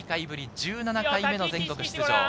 １７回目の全国出場。